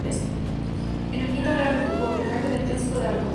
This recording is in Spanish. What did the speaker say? Es el quinto largometraje del clásico de Alcott.